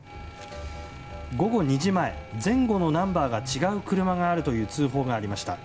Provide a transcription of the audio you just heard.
午後２時前、前後のナンバーが違う車があるという通報がありました。